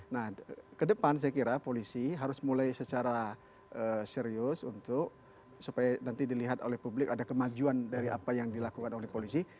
nah ke depan saya kira polisi harus mulai secara serius untuk supaya nanti dilihat oleh publik ada kemajuan dari apa yang dilakukan oleh polisi